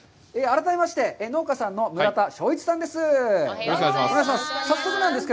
改めまして農家さんの村田翔一さんです。